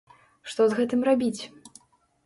Што з гэтым рабіць?